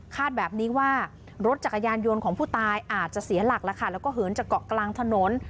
แบบนี้ว่ารถจักรยานยนต์ของผู้ตายอาจจะเสียหลักแล้วค่ะแล้วก็เหินจากเกาะกลางถนน